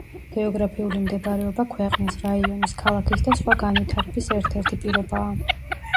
გეოგრაფიული მდებარეობა ქვეყნის, რაიონის, ქალაქის და სხვა განვითარების ერთ-ერთი პირობაა.